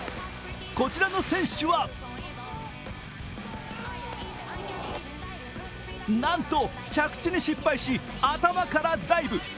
こちらの選手はなんと着地に失敗し、頭からダイブ！